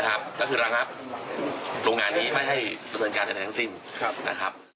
ก็คือระงับโรงงานนี้ไม่ให้ระเบิดการแถมแห่งสิ้น